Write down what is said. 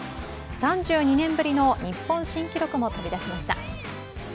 ３２年ぶりの日本新記録も飛び出しました。